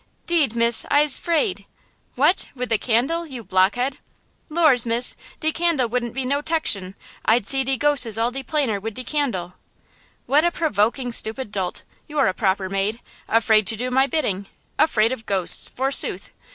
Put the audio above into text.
"'Deed, miss, I'se 'fraid!" "What! with the candle, you blockhead?" "Lors, miss, de candle wouldn't be no 'tection! I'd see de ghoses all de plainer wid de candle!" "What a provoking, stupid dolt! You're a proper maid–afraid to do my bidding! Afraid of ghosts, forsooth.